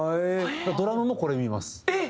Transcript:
ドラムもこれ見ます。